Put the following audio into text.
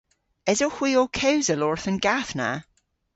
Esowgh hwi ow kewsel orth an gath na?